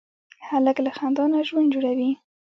هلک له خندا نه ژوند جوړوي.